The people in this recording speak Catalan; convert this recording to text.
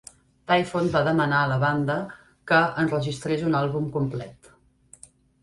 Tyfon va demanar a la banda que enregistrés un àlbum complet.